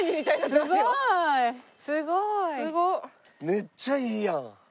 めっちゃいいやん！